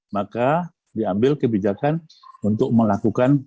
maka diambil kebijakan untuk memelihara kebijakan yang lebih berat